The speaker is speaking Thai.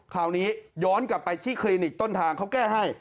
คราวนี้ย้อนกลับไปที่คลินิกต้นทางเขาแก้ให้